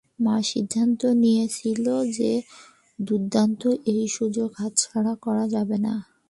মা সিদ্ধান্ত নিয়েছিল যে দুর্দান্ত এই সুযোগটি হাতছাড়া করা যাবে না।